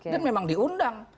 dan memang diundang